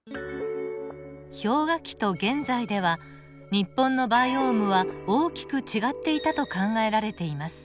氷河期と現在では日本のバイオームは大きく違っていたと考えられています。